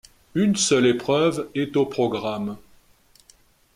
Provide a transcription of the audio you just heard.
Une seule épreuve est au programme.